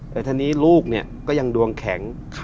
แต่ทีนี้ลูกก็ยังดวงแข็ง